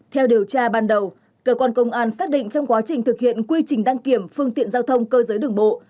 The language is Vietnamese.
theo điều tra ban đầu cơ quan công an xác định trong quá trình thực hiện quy trình đăng kiểm phương tiện giao thông cơ giới đường bộ